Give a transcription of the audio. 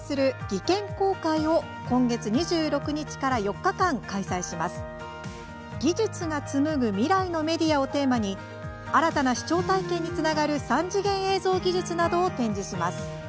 「技術が紡ぐ未来のメディア」をテーマに新たな視聴体験につながる３次元映像技術などを展示します。